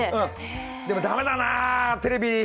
でも、駄目だな、テレビ。